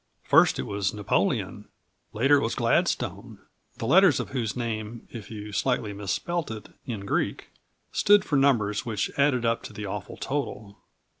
First it was Napoleon; later it was Gladstone, the letters of whose name, if you slightly misspelt it in Greek, stood for numbers which added up to the awful total.